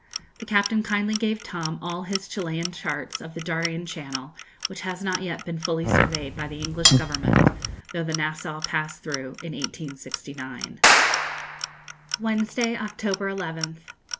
The captain kindly gave Tom all his Chilian charts of the Darien Channel, which has not yet been fully surveyed by the English Government, though the 'Nassau' passed through in 1869. Wednesday, October 11th.